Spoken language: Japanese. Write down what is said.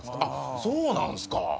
あっそうなんすか。